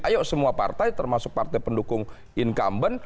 ayo semua partai termasuk partai pendukung incumbent